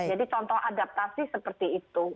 jadi contoh adaptasi seperti itu